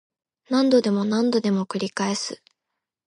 何度でも何度でも繰り返す